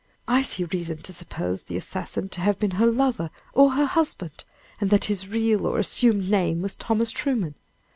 I see reason to suppose the assassin to have been her lover, or her husband, and that his real or assumed name was Thomas Truman.